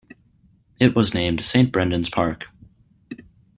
It was named Saint Brendan's Park.